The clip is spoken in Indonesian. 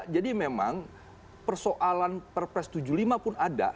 jadi memang persoalan perpres tujuh puluh lima pun ada